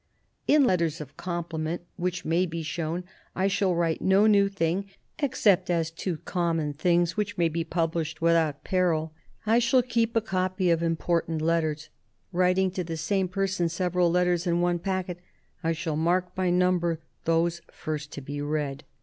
In letters of compliment which may be shown, I shall write no new thing and no opinion except as to common things which may be published without peril. ... I shall keep a copy of important letters. ... Writing to the same person several letters in one packet, I shall mark by number those first to be read. ...